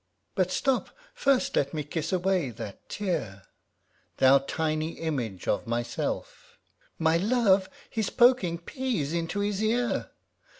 (But stop, ŌĆö first let me kiss away that tear) ŌĆö Thou tiny image of myself 1 (My love, he's poking peas into his ear